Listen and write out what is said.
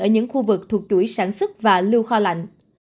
ở những khu vực thuộc chuỗi sản xuất và lưu kho lạnh